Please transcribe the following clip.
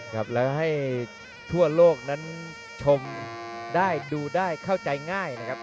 ครับแล้วให้ทั่วโลกนั้นชมได้ดูได้เข้าใจง่ายนะครับ